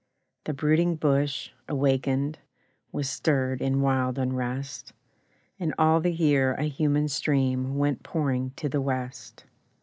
The brooding bush, awakened, Was stirred in wild unrest, And all the year a human stream Went pouring to the West.